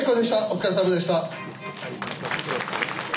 お疲れさまでした。